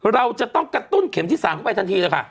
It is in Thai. เราจะต้องกระตุ้นเข็มที่๓เข้าไปทันทีเลยค่ะ